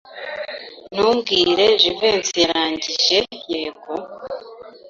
Ntumbwire Jivency yarangije yego.